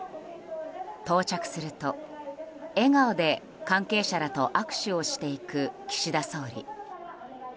到着すると笑顔で関係者らと握手をしていく岸田総理。